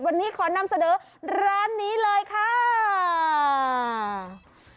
วันนี้ขอนำเสนอร้านนี้เลยค่ะ